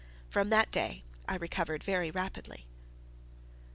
From that day I recovered very rapidly.